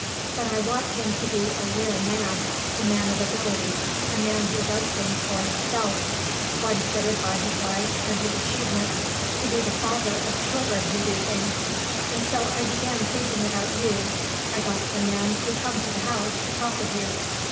But I want him to be a real man, a man of ability, a man who does things for himself, one fitted by his life and his achievements to be the father of children who do things. And so I began thinking about you. I got the men who come to the house to talk of you."